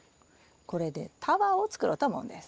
これでタワーを作ろうと思うんです。